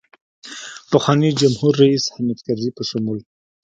پخواني جمهورریس حامدکرزي په شمول.